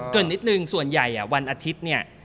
นิดนึงส่วนใหญ่วันอาทิตย์เนี่ย